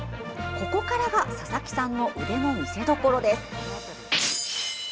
ここからが佐々木さんの腕の見せどころです。